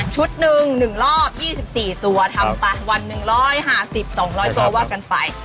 ชุดหนึ่ง๑รอบ๒๔ตัวทำไปวัน๑๕๐๒๐๐ตัวว่ากันไป